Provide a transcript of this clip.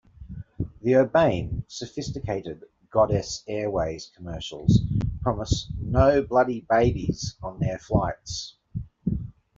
The urbane, sophisticated Goddess Airways commercials promise "no bloody babies" on their flights.